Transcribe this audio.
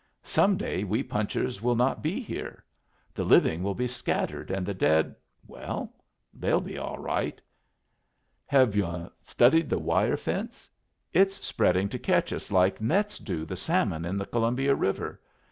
Some day we punchers will not be here. The living will be scattered, and the dead well, they'll be all right. Have yu' studied the wire fence? It's spreading to catch us like nets do the salmon in the Columbia River.